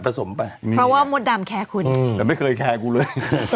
สมไปเพราะว่ามดดำแคร์คุณแต่ไม่เคยแคร์กูเลย